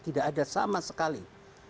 tidak ada sama sekali